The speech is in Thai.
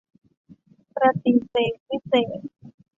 ประติเษธวิเศษณ์